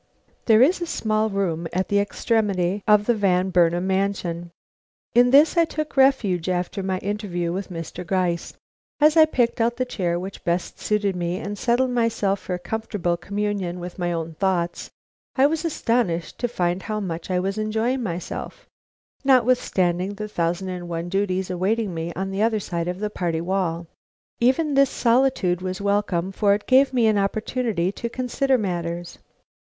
There is a small room at the extremity of the Van Burnam mansion. In this I took refuge after my interview with Mr. Gryce. As I picked out the chair which best suited me and settled myself for a comfortable communion with my own thoughts, I was astonished to find how much I was enjoying myself, notwithstanding the thousand and one duties awaiting me on the other side of the party wall. Even this very solitude was welcome, for it gave me an opportunity to consider matters.